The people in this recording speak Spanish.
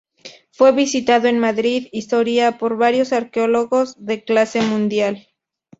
Fue visitado en Madrid y Soria por varios arqueólogos de clase mundial.